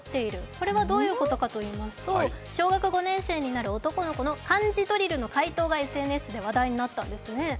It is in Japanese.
これはどういうことかと言いますと小学５年生になる男の子の漢字ドリルの解答がＳＮＳで話題となったんですね。